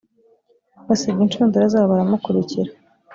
basiga inshundura zabo baramukurikira